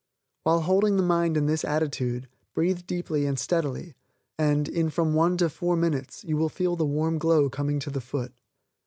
While holding the mind in this attitude, breathe deeply and steadily, and, in from one to four minutes, you will feel the warm glow coming to the foot.